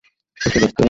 এসো, দোস্ত।